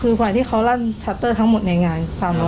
คือวันที่เขารั่นชัตเตอร์ทั้งหมดในงาน